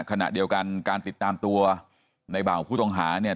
ขณะเดียวกันการติดตามตัวในเบาผู้ต้องหาเนี่ย